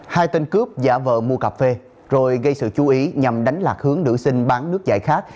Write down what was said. hai tên cướp giả vợ mua cà phê rồi gây sự chú ý nhằm đánh lạc hướng nữ sinh bán nước giải khát